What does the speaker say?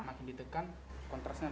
makin ditekan kontrasnya makin